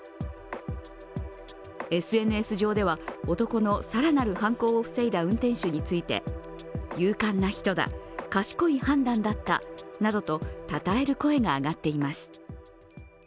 ＳＮＳ上では、男の更なる犯行を防いだ運転手について勇敢な人だ、賢い判断だったなどとたたえる声が上がっています。